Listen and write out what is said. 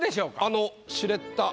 あのシュレッダー